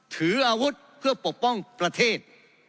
ถืออาวุธเพื่อปกป้องประเทศ